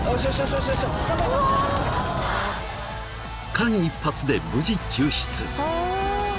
［間一髪で無事救出］